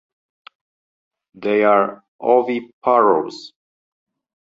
They are oviparous.